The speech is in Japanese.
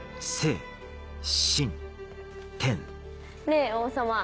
ねぇ王様